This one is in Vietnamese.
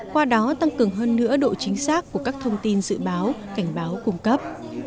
qua đó tăng cường hơn nữa độ chính xác của các thông tin dự báo cảnh báo cung cấp